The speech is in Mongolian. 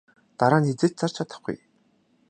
Дараа нь хэзээ ч зарж чадахгүй.